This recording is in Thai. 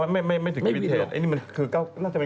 ไม่ถึงรุ่นเก่านี่มันคือน่าจะเป็น๙๙๖